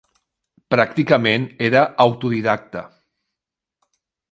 Pràcticament era autodidacta.